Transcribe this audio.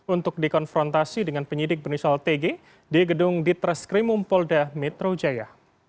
untuk dikonfrontasi dengan penyidik bernisial tg di gedung ditreskrimum polda metro jaya